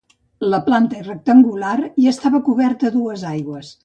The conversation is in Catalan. La planta és rectangular i estava coberta a dues aigües.